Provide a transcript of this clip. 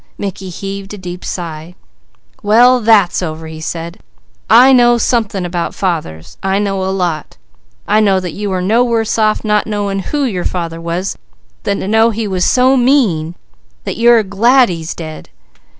Mickey heaved a deep sigh. "Well! That's over!" he said. "I know something about fathers. I know a lot. I know that you are no worse off, not knowing who your father was than to know he was so mean that you are glad he's dead.